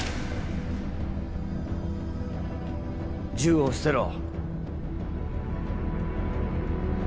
銃を捨てろ。